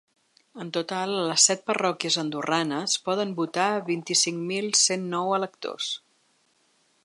En total, a les set parròquies andorranes poden votar vint-i-cinc mil cent nou electors.